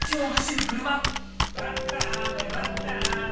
わたあめわたあめ